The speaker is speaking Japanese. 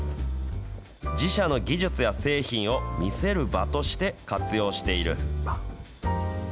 自社の技術や製品を見せる場として活用している。